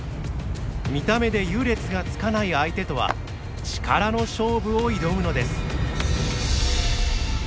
見た目で優劣がつかない相手とは力の勝負を挑むのです。